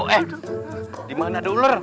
eh dimana ada ular